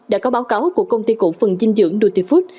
đã có báo cáo của công ty cổ phần dinh dưỡng nutifood